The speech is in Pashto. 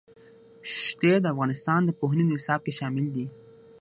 ښتې د افغانستان د پوهنې نصاب کې شامل دي.